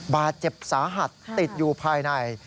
บาดเจ็บสาหัสติดอยู่ภายใน